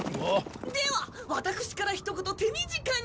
ではワタクシからひと言手短に。